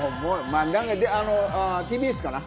ＴＢＳかな？